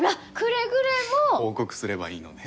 報告すればいいのね？